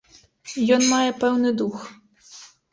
Ён мае пэўны дух.